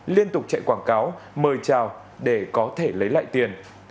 liên tục chạy quảng cáo mời trào để có thể lấy lại tiền